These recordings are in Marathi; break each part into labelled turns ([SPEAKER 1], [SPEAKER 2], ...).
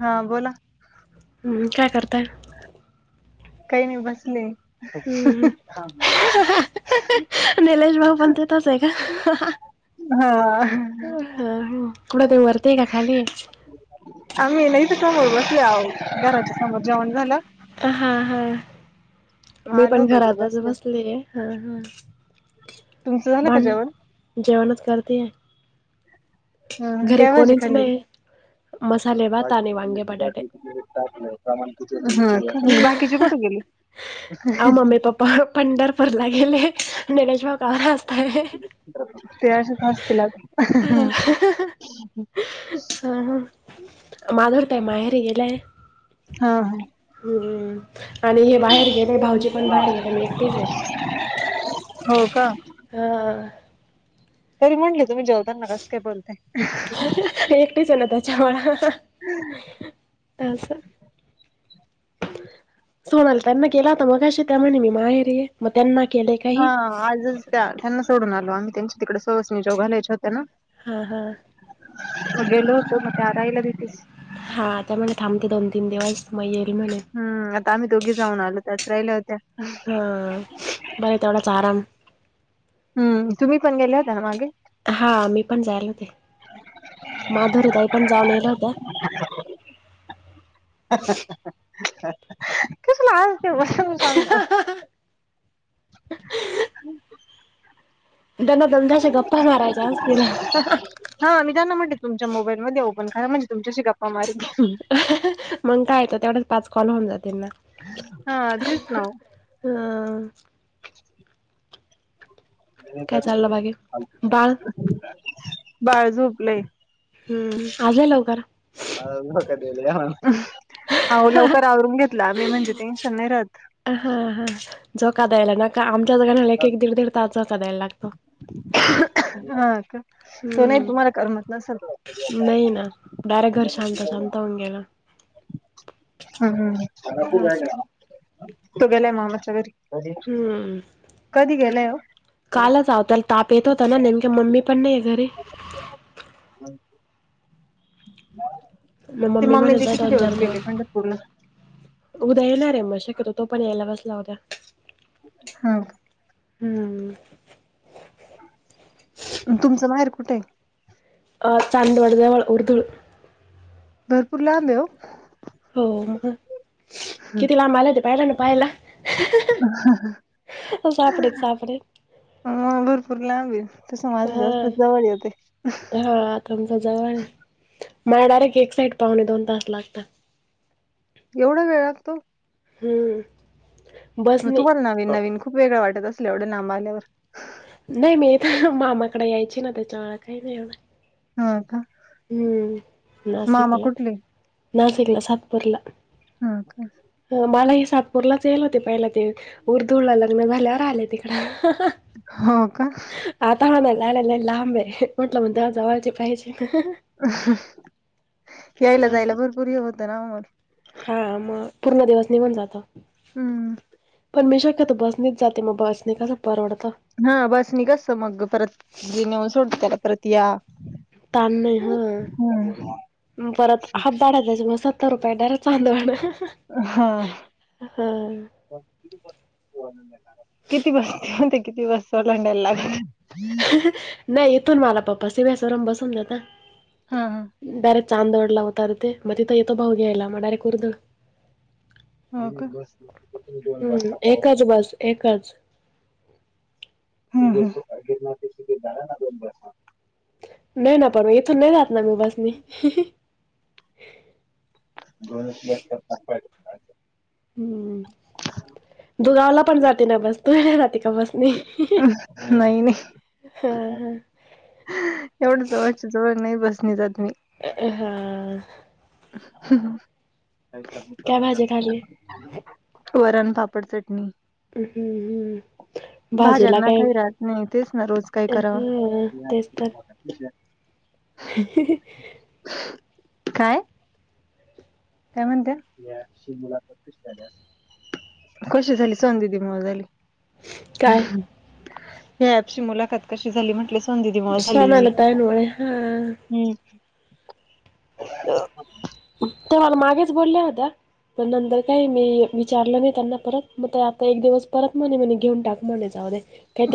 [SPEAKER 1] हा बोला.
[SPEAKER 2] हम्म काय करताय.
[SPEAKER 1] काय नाय बसले ह ह.
[SPEAKER 2] ह ह निलेश भाऊ पण तिथंच हाय का हा हा.
[SPEAKER 1] हा आह्.
[SPEAKER 2] कुठं आहे ते वरती हाय का खालीय.
[SPEAKER 1] आम्ही नाही ते समोर बसले आहो घराच्या समोर जेवण झालं.
[SPEAKER 2] हा हां.
[SPEAKER 1] मग
[SPEAKER 2] मी
[SPEAKER 1] आलो
[SPEAKER 2] पण
[SPEAKER 1] होत इकडे
[SPEAKER 2] घरातच बसले हा हा
[SPEAKER 1] तुमचं झालं का
[SPEAKER 2] भान.
[SPEAKER 1] जेवण
[SPEAKER 2] जेवनच करतेय.
[SPEAKER 1] ह
[SPEAKER 2] घरी
[SPEAKER 1] काय
[SPEAKER 2] कोणीच नाही. मसाले भात
[SPEAKER 1] माझी
[SPEAKER 2] आणि वांगे
[SPEAKER 1] चुन्याची
[SPEAKER 2] बटाटे.
[SPEAKER 1] बाटली तू कुटतरी टाकल्या. ह का बाकीचे कुठं गेले.
[SPEAKER 2] ह पंढरपूरला गेले निलेश भाऊ कामन हसताय.
[SPEAKER 1] ते अशेच हासतील आता.
[SPEAKER 2] माधुरी ताई माहेरी गेल्याय.
[SPEAKER 1] हा हा.
[SPEAKER 2] हम्मम्म आणि हे बाहेर. गेले भाऊजी पण बाहेर गेले मी एकटीचे
[SPEAKER 1] हो का
[SPEAKER 2] हं.
[SPEAKER 1] तरी म्हणले तुम्ही जेव. ताना कस काय बोलताय.
[SPEAKER 2] एकटीच आहे ना आ सं.
[SPEAKER 1] हम्म.
[SPEAKER 2] सोणाला त्यांना ग केला होता मगाशी त्या म्हणे मी माहेरे. मग त्यांना केले का.
[SPEAKER 1] हा आजच त्या त्यांना सोडून आलो आम्ही त्यांच्या तिकडे सोसणी जो घालायच्या होत्या ना.
[SPEAKER 2] हां हां.
[SPEAKER 1] मेलो होतो मे आरा येला दीती.
[SPEAKER 2] हा त्या म्हणे थांबते दोन तीन दिवस मग येरी म्हणे.
[SPEAKER 1] हम्म आता आम्ही दोघी जाऊन आलो त्याच राहिल्या होत्या.
[SPEAKER 2] हा बरं आहे तेवढाच आराम.
[SPEAKER 1] हम्म तुम्ही पण गेले होता ना मागे.
[SPEAKER 2] हा मी पण जायला होते माधुरी तई पण जाऊन गल्या होत्या.
[SPEAKER 1] [inaudible] कस ना आज तेव सांगत. हम्.
[SPEAKER 2] त्यांना दंदाश गप्पा मारायचा अस दिला.
[SPEAKER 1] हा मी त्यांना म्हटते तुमच्या मोबाईलमध्ये ओपण खय म्हणजेुमच्याशीिका.
[SPEAKER 2] मग काय येतो तेवढच पाच कॉल होऊन जात त्यांना.
[SPEAKER 1] हा तच नाव.
[SPEAKER 2] ह. काय चाललं बाकी बाळ
[SPEAKER 1] बाळजोपलेय.
[SPEAKER 2] हम्म आज लयी लवकर
[SPEAKER 1] आवो लवकर आवरून ला म्हणजे टेनशन नाही राहत
[SPEAKER 2] हा हा झोका द्यायला नका आमच्याच गाणाला एक एक दीड दीड तास झोका द्यायला लागतो ह [unintelligible]
[SPEAKER 1] हा का तो नाही तुम्हाला करमत नसेल
[SPEAKER 2] तवंगेला
[SPEAKER 1] हम्म
[SPEAKER 2] असं
[SPEAKER 1] हम्म तो गेलाय मामाच्या घरी
[SPEAKER 2] हम्म
[SPEAKER 1] कधी गेलाये ओ
[SPEAKER 2] कालच आव त्याला ताप येत होता ना नेमक्या मम्मी पण नाही घरी
[SPEAKER 1] हम् [unintelligible]
[SPEAKER 2] मग
[SPEAKER 1] ते मम्मी
[SPEAKER 2] म्हणे
[SPEAKER 1] ते
[SPEAKER 2] जा
[SPEAKER 1] किती
[SPEAKER 2] दोन चार
[SPEAKER 1] दिवस गेले पंढरपूरला
[SPEAKER 2] उद्या येणार आहे मग शक्यतो तो पण यायला बसला होता
[SPEAKER 1] हा
[SPEAKER 2] हम्
[SPEAKER 1] तुमचं माहेर कुठेय
[SPEAKER 2] अ चांंदवाड जवळ उर्दुळू
[SPEAKER 1] भरपूर लांब आहे ओ
[SPEAKER 2] हो मग किती लांब आला ते पाहिला ना पाहाला सापडेच सापडे [unintelligible]
[SPEAKER 1] ह भरपूर लांब आहे तस माझं जास्त जवळ येत
[SPEAKER 2] तुमच् जवळ आहे मला डायरेक्ट एक साईड पाहुणे दोन तास लागतात
[SPEAKER 1] एवढा वेळ लागतो
[SPEAKER 2] हम्म बसनी
[SPEAKER 1] तुम्हाला नवीन नवीन खूप वेगळ वाटत असलं एवढं लांब आल्यावर
[SPEAKER 2] नाही मी ईथ मामाकडे यायची ना त्याच्या व काही नाहीव
[SPEAKER 1] हो का
[SPEAKER 2] हम्म
[SPEAKER 1] मामा
[SPEAKER 2] नाशिकला
[SPEAKER 1] कुठले
[SPEAKER 2] नाशिकला साप बडला
[SPEAKER 1] हा का
[SPEAKER 2] मलाही सातपूरलाच येल होते पहिला ते उर्दुला लग्न झाल्यावर आले तिकड
[SPEAKER 1] हो का
[SPEAKER 2] आता मणा लाला ला लांब आहेे म्हटलं म्हण जवळची पाहिजे ना [unintelligible]
[SPEAKER 1] यायला
[SPEAKER 2] असं
[SPEAKER 1] जायला भरपूर हे होतं ना ओ मग
[SPEAKER 2] हा मग पूर्ण दिवस निघून जातो.
[SPEAKER 1] हम्म
[SPEAKER 2] पण मी शक्यतो बसनीच जाते मग बसणे कसं परवडत
[SPEAKER 1] हा बस नि कस मग परत जे नेऊन सोडत त्याला परत या
[SPEAKER 2] तान नाही हा
[SPEAKER 1] हम्म
[SPEAKER 2] परत हातधाडाय त्यायच मग सत्तर रुपयाे डार चांधवड
[SPEAKER 1] हा. किती बसतीनते किती बस ओलांडायला लाग [unintelligible]
[SPEAKER 2] नाही ईतून मला पप्पा सीव्हीएस वरून बसून देता
[SPEAKER 1] हा हा.
[SPEAKER 2] डायरेक्ट चांदवडला ऊतारते म तिथं येतो भाऊ घ्यायला म डायरेक्ट उर्द
[SPEAKER 1] हा का
[SPEAKER 2] हम्म एकच
[SPEAKER 1] [unintelligible]
[SPEAKER 2] बस एकच
[SPEAKER 1] हम्म ह
[SPEAKER 2] नाही ना पन इथून नाही जात नाही ना मी बसनी
[SPEAKER 1] [unintelligible]
[SPEAKER 2] हम्म, दुगावला पण जाते ना बस तुला जाते का बस नाही
[SPEAKER 1] नाही
[SPEAKER 2] हां हां. [unintelligible]
[SPEAKER 1] एवढ जवळच्या जवळ नाही बसणी जात मी
[SPEAKER 2] हा.
[SPEAKER 1] [unintelligible]
[SPEAKER 2] काय भाजी खाल्ली
[SPEAKER 1] वरण, पापड, चटणी
[SPEAKER 2] हम्म, हम्म भाजीला
[SPEAKER 1] भाज्यांना
[SPEAKER 2] काय
[SPEAKER 1] काही राहत नाही तेच ना रोज काय कराव
[SPEAKER 2] हा तेच तर
[SPEAKER 1] [unintelligible]
[SPEAKER 2] [unintelligible]
[SPEAKER 1] काय? काय म्हणत्यात कशी झाली सौधी दि मोळ झाली
[SPEAKER 2] काय
[SPEAKER 1] हम्म, या आजची मुलाखात कशी झाली म्हटलीस?
[SPEAKER 2] [unintelligible]
[SPEAKER 1] हम्म
[SPEAKER 2] ते मला मागेच बोलल्या होत्या. पण नंतर काय मी विचारलं नाही त्यांना परत मग आता एक दिवस परत म्हणे म्हणे घेऊन टाक म्हणेच जाऊदे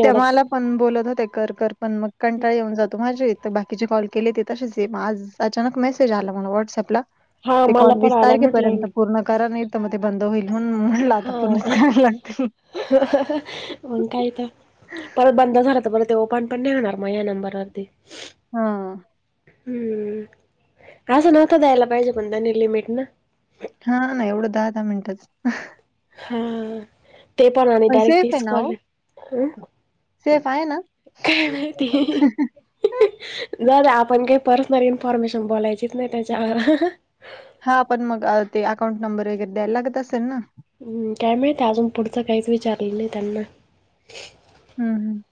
[SPEAKER 1] ते म्हाला पण बोलत होते कर कर पण मग कंटाळ येऊन जातो माझे तर बाकीचे कॉल केले ते तसेच ये आज अचानक मेसेज आला म्हण व्हॉट्सअपला
[SPEAKER 2] हा
[SPEAKER 1] ते
[SPEAKER 2] मला
[SPEAKER 1] कॉल
[SPEAKER 2] पण
[SPEAKER 1] वीस
[SPEAKER 2] आला म्हटलं
[SPEAKER 1] तारखेपर्यंत पूर्ण करा नाही तर मग ते बंद होईल म्हणून म्हटलं आता पूर्ण
[SPEAKER 2] हा
[SPEAKER 1] करायला लागतील.
[SPEAKER 2] मग काय तर परत बंद झाल तर परत ते ओपन पण नाही होणार माझ्या या नंबर वरती
[SPEAKER 1] हा.
[SPEAKER 2] हम्म असं नव्हता द्यायला पाहिजे पण त्यांनी लिमिट ना
[SPEAKER 1] हा ना एवढं दहा दहा मिनिटच
[SPEAKER 2] हा हा ते पण आणि डायरेक्ट
[SPEAKER 1] सेफ आहे
[SPEAKER 2] तीस
[SPEAKER 1] ना
[SPEAKER 2] कॉल
[SPEAKER 1] हो
[SPEAKER 2] आहे हा
[SPEAKER 1] सेफ आहे ना
[SPEAKER 2] जाऊद्या आपण काही पर्सनल इन्फॉर्मेशन बोलायचीच नाही त्याच्यावर.
[SPEAKER 1] हा पण मग ते अकाउंट नंबर वगैरे द्यायला लागत असेल ना.
[SPEAKER 2] हम्, काय माहती अजून पुढचं काहीच विचारलं नाही त्यांना.
[SPEAKER 1] हम्, हम्,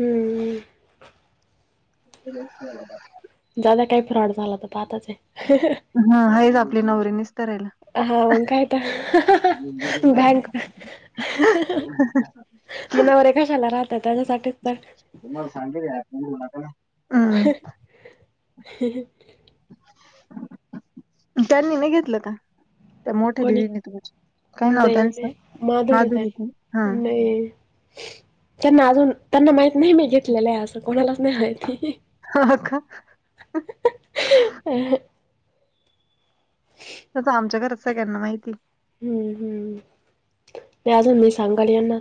[SPEAKER 2] हम्म,
[SPEAKER 1] [inaudible]
[SPEAKER 2] जाऊद्या काही फ्रॉड झाला तर पहातच आहे.
[SPEAKER 1] ह आहेच आपले नवरे निसतरायला.
[SPEAKER 2] हा म कायतर बँक
[SPEAKER 1] ह ह [unintelligible]
[SPEAKER 2] मनावर एकाशाला राहत त्याच्यासाठीच तर
[SPEAKER 1] तु्हाला सांग [unintelligible] हम्म [unintelligible]
[SPEAKER 2] ह [unintelligible]
[SPEAKER 1] त्यांनी नाही घेतलं का? त्या मोठ्या
[SPEAKER 2] कोणी
[SPEAKER 1] दिदी न तुमच्या काय नाव
[SPEAKER 2] नाही
[SPEAKER 1] त्यांचं
[SPEAKER 2] नाही माधुरीत
[SPEAKER 1] माधुरी हा
[SPEAKER 2] आहे नाही त्यांना अजून, त्यांना माहित नाही मी घेतलेलं आहे असं कोणालाच नाही माहिती.
[SPEAKER 1] हो का.
[SPEAKER 2] ह [unintelligible]
[SPEAKER 1] तस आमच्या घरात सगळ्यांना माहिती.
[SPEAKER 2] हम्म, हम्, नाही अजून मी सांगाल यांना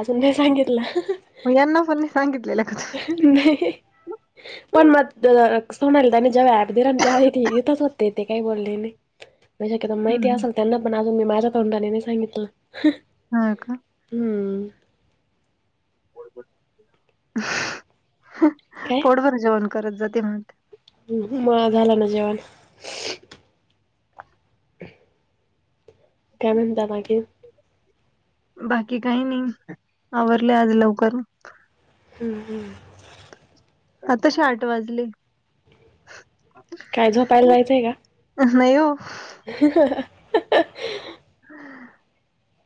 [SPEAKER 2] अजून नाही
[SPEAKER 1] आहे.
[SPEAKER 2] सांगितलं
[SPEAKER 1] मग यांना पण सांगितलेलं तू?
[SPEAKER 2] नाही पण मग सोनायला त्याने जेव्हा हॲप दिला तेव्हा इथंच होते तेे काही बोलले नाही म शक्यत
[SPEAKER 1] हं,
[SPEAKER 2] माहिती
[SPEAKER 1] हं.
[SPEAKER 2] असेल त्यांना पण अजून मी माझ्या तोंडाले नाही सांगितलं
[SPEAKER 1] हा का
[SPEAKER 2] हम्म काय
[SPEAKER 1] पोटभर जेवण करत जाते म्हणते
[SPEAKER 2] झाला ना जेवण कमन दामागे
[SPEAKER 1] बाकी काही नाही आवरले आज लवकर
[SPEAKER 2] हम् हमं
[SPEAKER 1] आताशठ वाजले
[SPEAKER 2] काय झोपायला जायचंय का
[SPEAKER 1] अ नाहीऊ
[SPEAKER 2] ह अ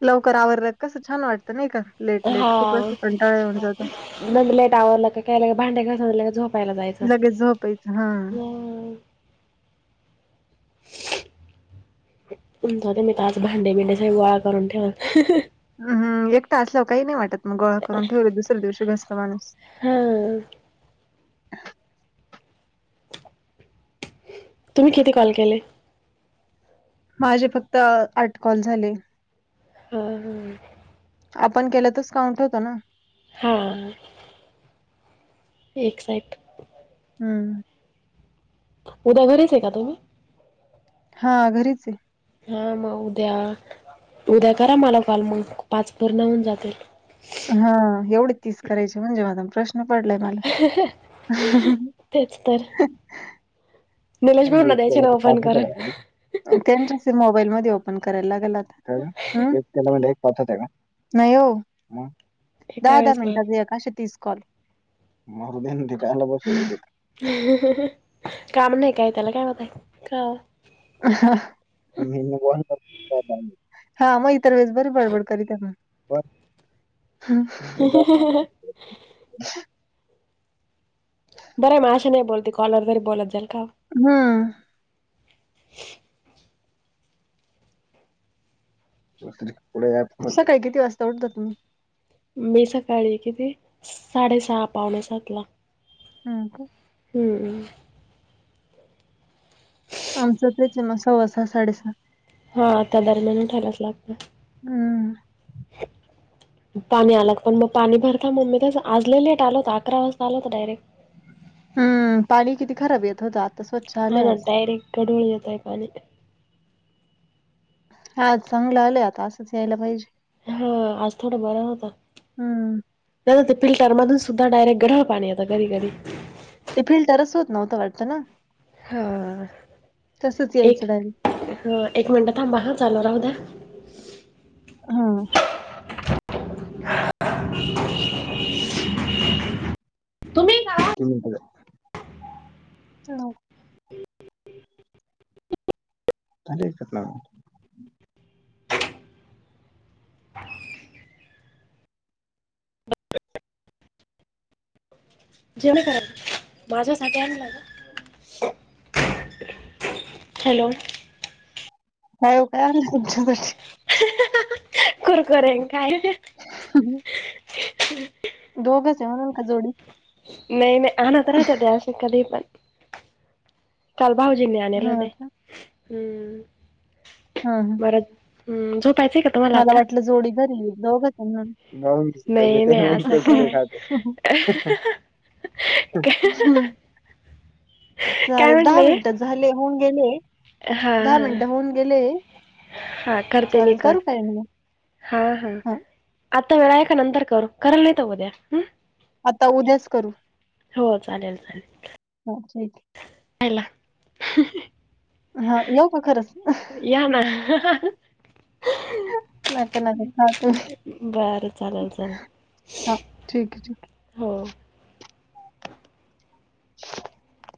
[SPEAKER 1] लवकर आवरतात कस छान वाटत
[SPEAKER 2] हा
[SPEAKER 1] येऊन जातो.
[SPEAKER 2] मग लेट आवरलं का कायला भांड्या घ झो ला जायच
[SPEAKER 1] लगेच झोपायचं हां.
[SPEAKER 2] ते मी तज भांडे बिंडे सही गोळा करून ठेव
[SPEAKER 1] हम एकटा असल्या काही नाही वाटत मग गोळा करून ठेवले दुसऱ्या दिवशी घसला माणूस
[SPEAKER 2] हा तुम्ही किती कॉल केले
[SPEAKER 1] माझे फक्त आटकॉल झाले
[SPEAKER 2] ह
[SPEAKER 1] आपण केलं तरच काउंट होतो ना
[SPEAKER 2] हा एक साईड
[SPEAKER 1] हम्म.
[SPEAKER 2] उद्या घरीच आहे का तुम्ही
[SPEAKER 1] हा घरीच आहे.
[SPEAKER 2] हा मग उद्या उद्या करा मला कॉल मग पाच परणाहन जाते.
[SPEAKER 1] हा एवढीच तीस करायचे म्हणजे मा प्रश्न पडलाय मला
[SPEAKER 2] तेच तर निलेश भाऊंना द्यायचे ना ओ फोन करून
[SPEAKER 1] आणिज ते मोबाईल मध्ये ओपन करायला लागेला प होत का? नाही हो
[SPEAKER 2] एका
[SPEAKER 1] दहा दहा
[SPEAKER 2] वेळेस मग
[SPEAKER 1] मिनटात या काश तीस कॉल मर देनती काला बस.
[SPEAKER 2] काम नाही काय त्याला काय होतय का?
[SPEAKER 1] हा मग इतर वेळेस बरी बडबड कर दे. [unintelligible]
[SPEAKER 2] बरं मी अशा नाही बोलते कॉलरवररी बोलत जाईल का?
[SPEAKER 1] हम्म. पु तं काही किती वाजता उठत तुम्ही
[SPEAKER 2] मी सकाळी किती साडेसहा पावणे सातला
[SPEAKER 1] हा.
[SPEAKER 2] हम्.
[SPEAKER 1] आमचं तेच मग सव्वा सहा साडेसहा
[SPEAKER 2] हा त्या दरम्यान ठायलाच लागत.
[SPEAKER 1] हम.
[SPEAKER 2] पाणी आलं पण मग पाणी भरला, मग मी तेच आज लय लेट आल होत, अकरा वाजता आल होत डायरेक्ट.
[SPEAKER 1] हम्म, पाणी किती खराब येत होत आज?
[SPEAKER 2] हा ना, डायरेक्ट खडूळ येतय पाणी.
[SPEAKER 1] हा चांगलं आलं आता असंच यायला पाहिजे.
[SPEAKER 2] हा, आज थोडा बरा होता.
[SPEAKER 1] हम्म.
[SPEAKER 2] नाही, ते फिल्टर मधून सुद्धा डायरेक्ट गढळ पाणी येत कधी कधी
[SPEAKER 1] ते फिल्टरच होत नव्हतं वाटतं ना.
[SPEAKER 2] हा
[SPEAKER 1] तसंच यायचं डायरेक्ट.
[SPEAKER 2] एक ह एक मिनट थांबा हा, चालू राहू द्या.
[SPEAKER 1] हा.
[SPEAKER 2] [unintelligible] तुम्ही का?
[SPEAKER 1] [unintelligible] हा. [unintelligible]
[SPEAKER 2] जेवण करायं माझ्यासाठी आणला का? हॅलो!
[SPEAKER 1] काय ओ काय आणू तुमच्यासाठी?
[SPEAKER 2] कुरकुरे काय?
[SPEAKER 1] [unintelligible] दोघचयं म्हणून का जोडी
[SPEAKER 2] नाही नाही, आणत राहत त्या असही कधी पण. काल भाऊजींनी आणले
[SPEAKER 1] हं
[SPEAKER 2] होते
[SPEAKER 1] का?
[SPEAKER 2] हम्म.
[SPEAKER 1] हा हा.
[SPEAKER 2] परत हम्म, झोपायच का? तुम्हाला
[SPEAKER 1] मला
[SPEAKER 2] आता?
[SPEAKER 1] वाटल, जोडी घरीय दोघचयं म्हणून
[SPEAKER 2] नाही नाही असं काय
[SPEAKER 1] [unintelligible] [unintelligible] ह
[SPEAKER 2] काय
[SPEAKER 1] चालेल दहा
[SPEAKER 2] म्हटले?
[SPEAKER 1] मिनटात झाले होऊन गेले,
[SPEAKER 2] हां
[SPEAKER 1] दहा
[SPEAKER 2] हां.
[SPEAKER 1] मिनट होऊन गेले चालेल करू काय म्हणू?
[SPEAKER 2] हा हा, आता वेळ आहे का नंतर करू? करा नाही तर उद्या हम.
[SPEAKER 1] आता उद्याच करू?
[SPEAKER 2] चालेल
[SPEAKER 1] [unintelligible]
[SPEAKER 2] खायला.
[SPEAKER 1] हा येऊ का खरंच?
[SPEAKER 2] या ना.
[SPEAKER 1] नका नका खा तुम्ही.
[SPEAKER 2] बरं चालेल चालेल.
[SPEAKER 1] हा, ठीके ठीके.
[SPEAKER 2] हो.
[SPEAKER 1] [unintelligible]